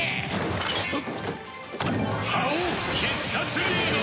「刃王必殺リード！」